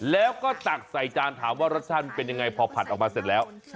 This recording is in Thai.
แล้วก็ตักใส่จานถามว่ารสชาติมันเป็นยังไงพอผัดออกมาเสร็จแล้ว